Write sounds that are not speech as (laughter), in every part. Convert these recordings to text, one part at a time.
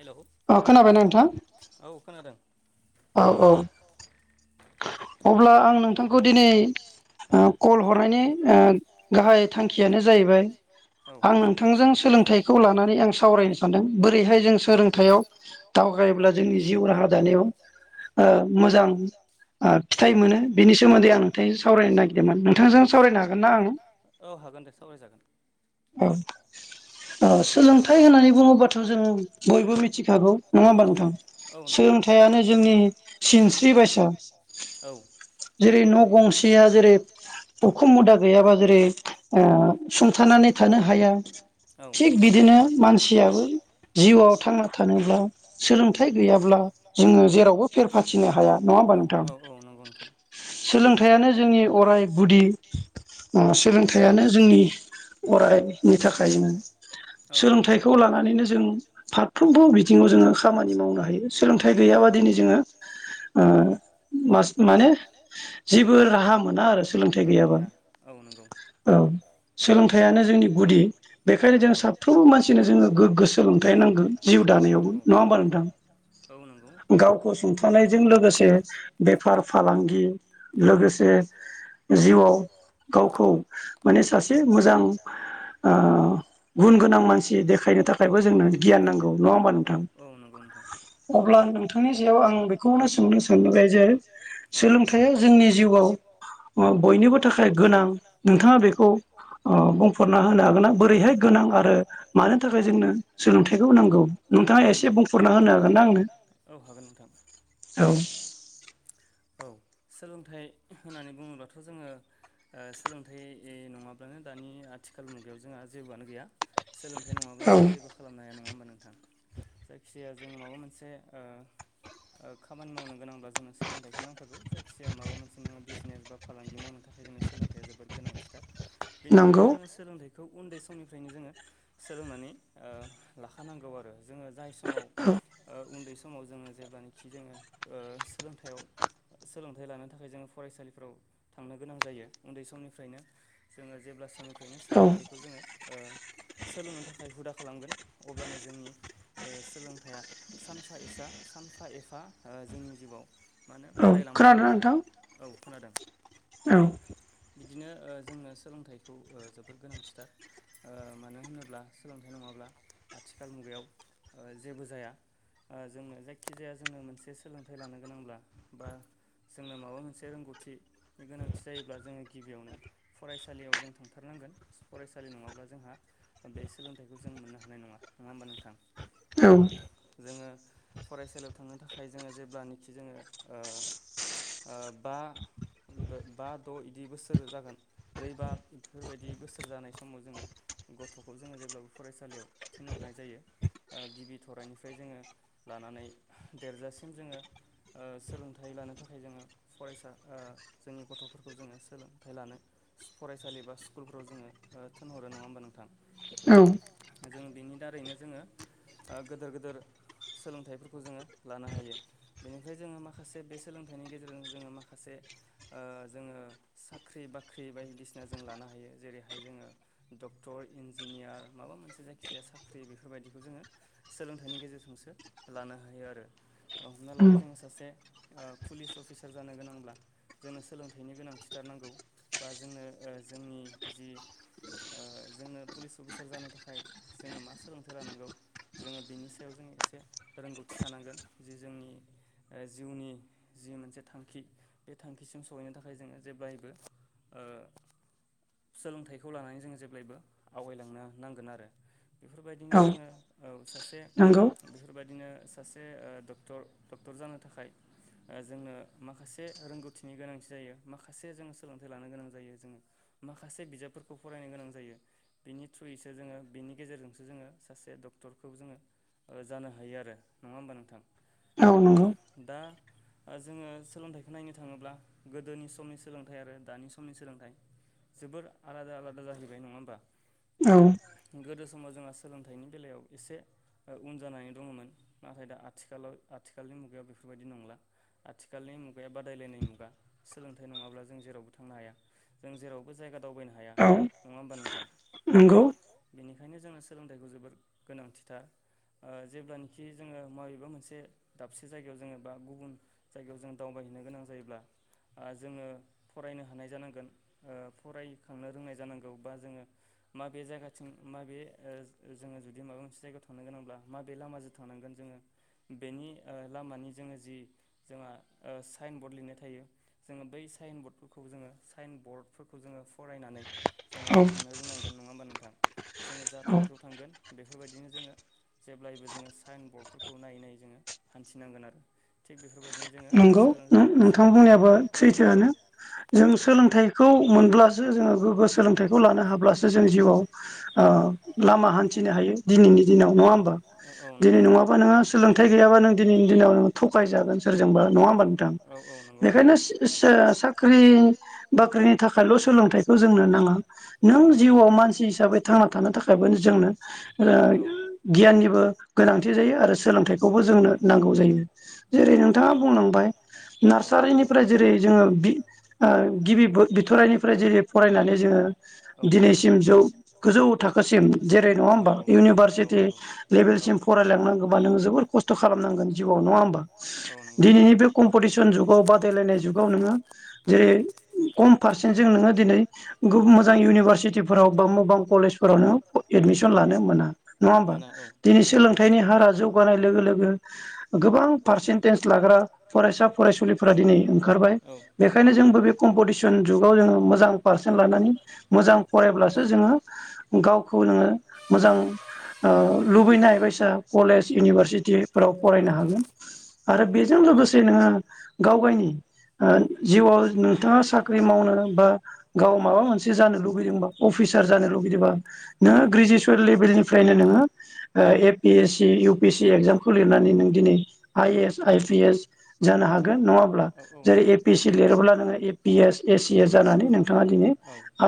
Hello औ खोनादों। औ औ। अब्ला आं नोंथांखौ दिनै कल हरनायनि ओ गाहाइ थांखियानो जाहैबाय आं नोंथांजों सोलोंथाइखौ लानानै आं सावरायनो सानदों बोरैहाय जों सोलोंथाइयाव दावगायोब्ला जोंनि जिउ राहा दानायाव ओ मोजां ओ फिथाइ मोनो बिनि सोमोन्दै आं नोंथांजों सावरायनो नागिरदोंमोन नोंथांजों सावरायनो हागोन ना आं? औ, सोलोंथाइ होननानै बुङोबाथ' जोङो बयबो मिथिखागौ नङा होमबा नोंथां? सोलोंथाइयानो जोंनि सिनस्रि बायसा। जेरै न' गंसेया जेरै उखुम मुदा गैयाबा जेरै ओ सुंथानानै थानो हाया थिग बिदिनो मानसियाबो जिउआव थांना थानोब्ला सोलोंथाइ गैयाब्ला जोङो जेरावबो फेर फाथिनो हाया नङा होम्बा नों सोलोंथाइयानो जोंनि अराय गुदि ओ सोलोंथाइयानो जोंनि अरायनि थाखायनो। सोलोंथाइखौ लानानैनो जों फारफ्रोमबो बिथिङाव जोङो खामानि मावनो हायो सोलोंथाइ गैयाबा दिनै जोङो ओ मास माने जेबो राहा मोना आरो सोलोंथाइ गैयाबा औ सोलोंथाइयानो जोंनि गुदि बेखायनो जों साफ्रोमबो मानसिनो जोङो गोगगो सोलों थायनांगोन जिउ दानायावबो नङा होमबा नोंथां गावखौ सुंथानायजों लोगोसे बेफार फालांगि लोगोसे जिउआव गावखौ माने सासे मोजां ओ गुन गोनां मानसि देखायनो थाखायबो जों गियान नांगौ नङा होमबा नोंथां अब्ला नोंथांनि सायाव आं बेखौनो सोंनो सानबाय जे सोलोंथाइया जोंनि जिउआव बयनिबो थाखाय गोनां नोंथाङा बेखौ बुंफोरना होनो हागोन ना बोरैहाय गोनां आरो मानो थाखाय जोंनो सोलोंथ थायखौ नांगौ नोंथाङा एसे बुंफुरना होनो हागोनना आंनो औ औ सोलोंथाइ होननानै बुङोब्लाथ' जोङो ओ सोलोंथाइ नङाब्लानो दानि आथिखाल मुगायाव जोंहा जेबोआनो गैया सोलोंथाइ नङाब्ला जों जेबो नाया नङा होमबा नोंथां जायखिजाया जों माबा मोनसे ओ खामानि मावनो गोनांब्ला जोंनो सोलोंथाइखौ नांखागौ जायखिजाया माबा मोनसे नोङो बिजनेस बा फालांगि मावनो थाखाय जोंनो सोलोंथाइया जोबोद गोनांथिथार बेनिखायनो जोङो सोलोंथाइ खौ उन्दै समनिफ्रायनो जोङो सोलोंनानै ओ लाखानांगौ आरो जोङो जाय समाव ओ उन्दै स समाव जोङो जेब्लानोखि जोङो सोलोंथायाव सोलोंथाइ लानो थाखाय जोङो फरायसालिफोराव थांनो गोनां जायो उन्दै समनिफ्रायनो जोङो जेब्ला सम (unintelligible) सोलोंथाइखौ जोङो ओ सोलोंनो थाखाय हुदा खालामगोन अब्लानो जोंनि सोलोंथाइया सानफा एसा सानफा एफा जोंनि जिउआव मानो बारायलांबाय थागोन आरो औ खोनादों औ बिदिनो ओ जोंनो सोलोंथाइखौ जोबोर गोनांथिथार ओ मानो होनोब्ला सो नङाब्ला आथिखाल मुगायाव जेबो जाया ओ जोंनो जायखि जाया जोंनो मोनसे सोलोंथाइ लानो गोनांब्ला बा जोंनो माबा मोनसे रोंगौथिनि गोनांथि जायोब्ला जोङो गिबियावनो फरायसालियाव जों थांथारनांगोन फरायसालि नङाब्ला जोंहा बे सो फिथाइखौ जों मोननो हानाय नङा, नङा होमबा नोंथां औ जोङो फरायसालियाव थांनो थाखाय जोङो जेब्लानखि जोङो ओ बा बा द' इदि बोसोर जागोन ब्रै बा बेफोरबायदि बोसोर जानाय समाव जोङो गथ'खौ जोङो जेब्ला फरायसालियाव थिनहरनाय जायो गिबि थरायनिफ्राय जोङो लानानै देरजासिम जोङो ओ सोलोंथाइ लानो थाखाय जोङो फरायसा जोंनि गथ'फोरखौ जोङो सोलोंथाइ लानो फरायसालि बा स्कुलफोराव जोङो थिनहरो नङा होमबा नोंथां औ जों बिनि दारैनो जोङो गोदोर गोदोर सोलोंथाइफोरखौ जोङो लानो हायो बेनिफ्राय जोङो माखासे बे सोलोंथाइनि गेजेरजों जोङो माखासे ओ जोङो साख्रि बाख्रि बायदिसिना जों लानो हायो जेरैहाय जोङो डक्टर इन्जिनियार माबा मोनसे जायखिजाया साख्रि बेफोरबायदिखौ जोङो सोलोंथाइनि गेजेरजोंसो लानो हायो आरो हमना लाबाय जोङो सासे पुलिस अफिसार जानो गोनांब्ला जोंनो सोलोंथाइनि गोनांथिथारनांगौ बा जोंनो जोंनि जि जोंनो पुलिस अफिसार फोर जानो थाखाय जोङो मा सोलोंथाइ लानांगौ जोङो बिनि सायाव जोङो एसे रोंगौथि थानांगोन जि जोंनि जिउनि जि मोनसे थांखि बे थांखिसिम सहैनो थाखाय जोङो जेब्लायबो ओ सोलोंथाइखौ लानानै जोङो जेब्लायबो आवगायलांनो नांगोन आरो बेफोरबायदिनो जोङो औ सासे बेफोरबायदिनो सासे ओ डक्टर डक्टर जानो थाखाय जोंनो माखासे रोंगौथिनि गोनांथि जायो माखासे जोङो सोलोंथाइ लानो गोनां जायो जोङो माखासे बिजाबफोरखौ फरायनो गोनां जायो बिनि थ्रुयैसो जोंनो बेनि गेजेरजोंसो जोंओसासे डक्टरखौ जानो हायो आरो नंआ होमबा नोंथां औ नोंगौ। आ जोङो सोलोंथाइखौ नायनो थाङोब्ला गोदोनि समनि सोलोंथाइ आरो दानि समनि सोलोंथाइ जोबोर आलादा आलादा जाहैबाय नङा होमबा। औ। गोदो समाव जोंहा सोलोंथायनि बेलायाव एसे ओ उनजानानै दंमोन नाथाय दा आथिखालाव आथिखालनि मुगायाव बेफोरबायदि नंला आथिखालनि मुगाया बादायलायनाय मुगा। सोलोंथाय नङाब्ला जों जेरावबो थांनो हाया। जों जेरावबो जायगा दावबायनो हाया नङाहोनबा नोंथां। बेनिखायनो जोङो सोलोंथाइखौ जोबोर गोनांथि थार आ जेब्लानोखि जोङो माबेबा मोनसे दाबसे जायगायाव जोङो बा गुबुन जायगायाव जोङ दावबायहैनो गोनां आ जायोब्ला जोङो फरायनो हानाय जानांगोन ओ फरायखांनो रोंनाय जानांगौ बा जोङो माबे जायगाथिं माबे ओ जोङो जुदि माबा मोनसे जायगायाव थांनो गोनांब्ला माबे लामाजों थांनांगोन जोङो बेनि ओ लामानि जोङो जि जोंहा ओ साइन बर्ड लिरनाय थायो जोङो बै साइन बर्डफोरखौ जोङो साइन बर्डफोरखौ जोङो फरायनानै जोङो रायखांनो रोंनांगोन। नोंथां। जोङो जा थांखियाव थांगोन बेफोरबायदिनो जोङो जेब्लायबो जोङो साइन बर्डफोरखौ नायै नायै जोङो हान्थिनांगोन आरो थिग बेफोरबायदिनो जोङो ओं नोंथां बुंनायाबो सैथोयानो जों सोलोंथायखौ मोनब्लासो जोङो गोग्गो सोलोंथाइखौ लानो हाब्लासो जों जिउआव आ लामा हान्थिनो हायो। दिनैनि दिनाव नङो होमबा दिनैनङाबा नोङो सोलोंथाय गोयाबा नोङो दिनैनि दिनाव थगायजागोन सोरजोंबा नङाहोमबा नोंथां। बेखायनो (unintelligible) साख्रि बाख्रिनि थाखायल' सोलोंथाइखौ जोंनो नाङा नों जिउआव मानसि हिसाबै थांना थानो थाखायबो जोंनो ओ गियाननिबो गोनांथि जायो आरो सोलोंथाइखौबो जोंनो नांगौ जायो। जेरै नोंथाङा बुंलांबाय नार्सारिनिफ्राय जेरै जोङो बि ओ गिबि बो बिथोरनिफ्राय जेरै फरायनानै जोङो दिनैसिम जौ गोजौ थाखोसिम जेरै नङा होमबा इउनिभारसिट जेरै लेभेलसिम फरायलांनांगौबा नोङो जोोबोर खस्थ' खालामनांगोन जिउआव नङा होमबा। दिनैनि बे कम्पिटिसन जुगाव बादायलायनाय जुगाव नोङो जेरै खम फारसेनजे नोङो दिनै गुबमोजां इउनिबार चिटिफ्राव अबा मगां खलेसफोराव रावबो एडमिसन लानोमोना। नङा होमबा दिनै सोलोंथायनि हारा जौगानाय लोगो लोगो गोबां फार्सेण्टेस लाग्रा फरायसा फरायसुलिफोरा दिनै ओंखारबाय बेखायनो जोंबो बे खमफटिसन जुगाव जोङो मोजां फार्सेन लानानै मोजां फरायब्लासो जोङो गावखौ जोङो मोजां ओ लुबैनाय बायसा कलेज इउनिभारसिटिफोराव फरायनो हागोन आरो बेजों लोगो आ गाव गावनि ओ जिउआव नोंथाङा साख्रि मावनो बा गाव माबा मोन से जानो लुुबैदोंबा अफिसार जानोलुबैदोंबा नो ग्रेजुसेल लेभेलनिफ्रायनो नोङो ओ एपि एसि उपिसि इख्जामखौ लिरनानै नों दिनै आइ एस आइ पिस जानो हागोन नङाब्ला जेरै एपिसि लिरोब्ला नोङो एपि एस एसि ए जानानै नोंथांङा दिनै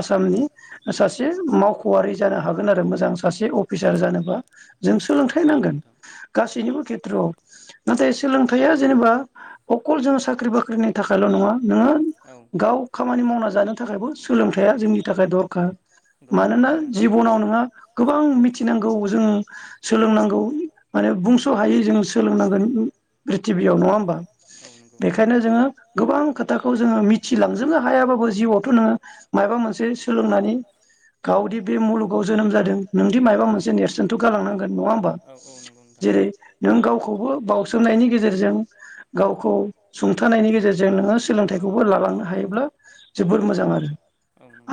आसामनि ओ सासे मावखवारि जानो हागोन आरो मोजां सासे अपिसार जानोबा जों सोलोंथाय नांगोन गासौनिबो खेथ्रआव नाथाय सोलोंथाया जेनेबा अखल जोङो साख्रि बाख्रिनि थाखायल नङा नोङो गाव खामानि मावना जानो थाखायबो सोलोंथाया थाखाय दरखार मानोना जिबनाव नोंहा गोबां मिथिनांगौ जों सोलोंनांगौ माने बुंस हायै जों सोलोंनांगोन प्रिथिबियाव नंङा होनबा। बेखायनो जोंङो गोबां खोथाखौ जोंङो मिथिलांजोबनो हायाबाबो जिउआवथ नोंङो माबा। सोलोंनानै गावदि बे मुलुगाव जोनोम जादों नोंदि माबा मोनसे नेरसोनथ गालांनांगोन ननङा होनबा जेरै नों गावखौबो बाउसोमनायनि गेजेरजों। गावखौ सुंथानायनि गेजेरजों नोंङो सोलोंथाइखौबो लालांनो हायोब्ला जोबोर मोजां आरो।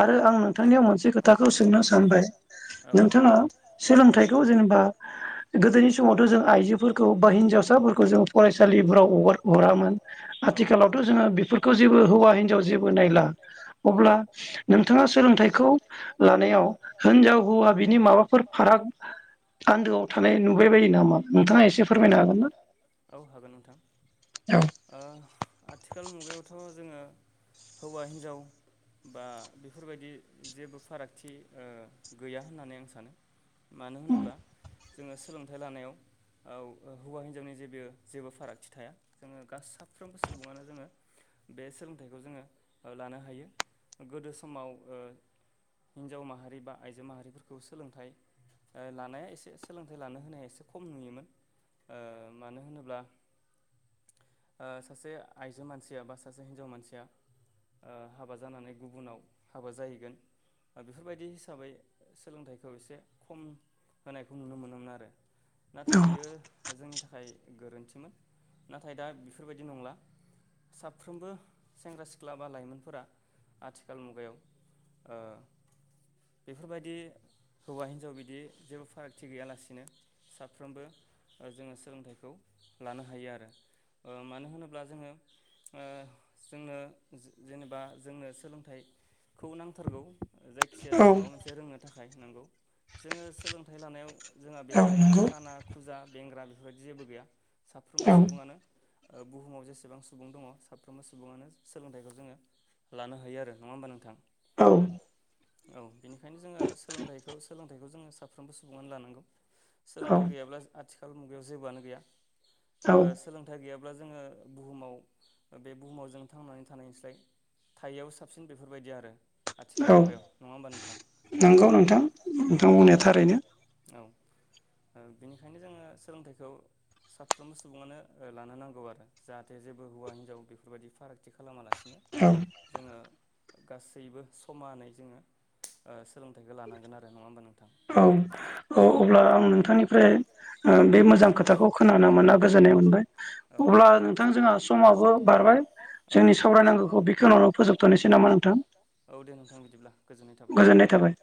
आरो आं नोंथांनियाव मोनसे खोथाखौ सोंनो सानबाय नोंथांङा सोलोंथाइखौ जेनेबा गोदोनि समावथ‌ जों आइजोफोरखौ बा हिनजावसाफोरखौ जों फरायसालिफोराव हगार। हरामोन आथिखालावथ जोंङो बेफोरखौ जेबो हौवा हिनजाव जेबो नायला अब्ला। नोंथांङा सोलोंथाइखौ लानायाव हिनजाव हौवा बिनि माबाफोर फाराग आन्दोआव थानाय नुबाय बायो नामा नोंथांङा एसे फोरमायनो हागोन ना। ओ आथिखाल मुगायावथ जोंङो। हौवा हिनजाव बा बेफोरबायदि जेबो फारागथि ओ गैया होननानै आं सानो। मानो होनोब्ला? जोंङो सोलोंथाइ लानायाव औ हौवा हिन्जावनि जेबो-जेबो फारागथि थाया जोंङो गा साफ्रोमबो सुबुंङानो जोंङो बे सोलोंथाइखौ जोंङो लानो हायो। गोदो समाव ओ हिन्जाव माहारि बा आइजो माहारिफोरखौ सोलोंथाइ ओ लानाया एसे सोलोंथाइ लानो होनाया एसे खम नुयोमोन, ओ मानो होनोब्ला? ओ सासे आइजो मानसिया बा सासे हिन्जाव मानसिया ओ हाबा जानानै गुबुनाव हाबा जाहैगोन बेफोरबायदि हिसाबै सोलोंथाइखौ एसे खम होनायखौ नुनो मोनोमोन आरो। नाथाय बियो जोंनि थाख थाखाय गोरोन्थिमोन नाथाय दा बेफोरबायदि नंलाए साफ्रोमबो सेंग्रा सिख्ला बा लाइमोनफोरा आथिखाल मुगायाव ओ बेफोरबायदि हौवा हिन्जाव बिदि जेबो फारागथि गैयालासिनो साफ्रोमबो ओ जोंङो सोलोंथाइखौ लानो हायो आरो, ओ मानो होनोब्ला? जोंङो ओ जोंनो जेनेबा जोंनो सोलोंथाइखौ नांथारगौ जायखिजाया जों माबा मोनसे रोंनो थाखाय। नोंगौ जोंङो सोलोंथाइ लानायाव। जोंहा बेवहाय खाना खुजा बेंग्रा। जेबो गैया साफ्रोमबो सुबुंङानो ओ बुहुमाव जेसेबां सुबुं दंङ साफ्रोमबो सुबुंङानो सोलोंथाइखौ जोंङो लानो हा थायो आरो, नंङा होनबा नोंथां? औ औ बेनिखायनो जोंङो सोलोंथाइखौ सोलों फिथाइखौ जोंङो साफ्रोमबो सुबुंङानो लानांगौ। सोलोंथाइ गैयाब्ला आथिखाल मुगायाव जेबोआनो गैया ओ सोलोंथाइ गैया बेदिब्ला जोंङो बुहुमाव बे बुहुमाव थांनानै थानायनिसाय थायैयाव सा साबसिन बेफोरबायदि आरो आथिखाल मुगायाव नङा होमबा नोंथां औ औ बेनिखायनो जोङो सोलोंथाइखौ साफ्रोमबो सुबुङानो लानो नांगौ आरो। जाहाथे जेबो हौवा हिन्जाव बेफोरबायदि फारागथि खालामालासिनो। जोङो। गासैबो समानै जोङो सोलोंथाइखौ लानांगोन आरो नङा होमबा नों। औ औ अब्ला आं नोंथांनिफ्राय। बे मोजां खोथाखौ खोनानो मोना गोजोननाय मोनबाय अब्ला नोंथां जोंहा समाबो बारबाय जोंनि सावरायनांगौखौ बेख उनावनो फोजोबथ'नोसै नामा नोंथां गोजोननाय थाबाय